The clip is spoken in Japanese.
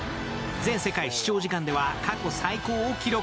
全世界視聴時間では過去最高を記録。